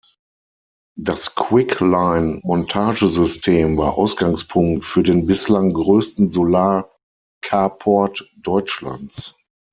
Das Quick-Line-Montagesystem war Ausgangspunkt für den bislang größten Solar-Carport Deutschlands.